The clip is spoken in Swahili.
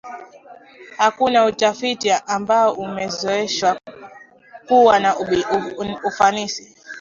Hakuna utafiti ambao umezionyesha kuwa na ufanisi